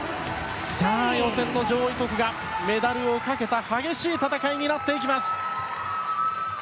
さあ、予選の上位国がメダルをかけた激しい戦いになっていきます。